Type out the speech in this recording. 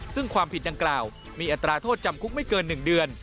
ซึ่งความผิดดังกล่าวมีอัตราโทษจำคุกไม่เกิน๑เดือน